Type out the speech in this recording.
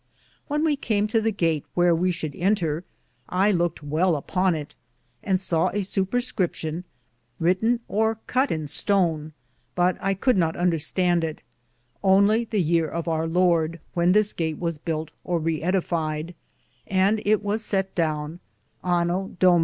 When we came to the gate wheare we should enter, I louked well upon it, and saw a superscription wryten or coutt in stone, but I could not understand it, only the yeare of our Lorde, when this gate was bulte or Reedified, and it was thus sett downe : Ano Dom.